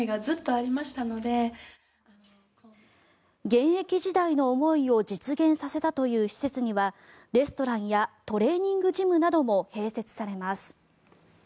現役時代の思いを実現させたという施設にはレストランやトレーニングジムなども併設されます。